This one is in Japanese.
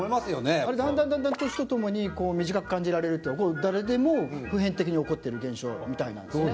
だんだんだんだん年とともに短く感じられるって誰でも普遍的に起こってる現象みたいなんですね。